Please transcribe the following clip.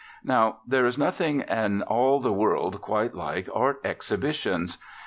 Now, there is nothing in all the world quite like art exhibitions.